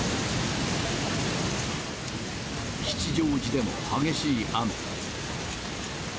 吉祥寺でも激しい雨。